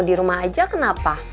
di rumah aja kenapa